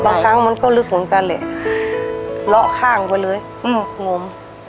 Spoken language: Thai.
บางครั้งมันก็ลึกเหมือนกันแหละเลาะข้างไปเลยอืมงม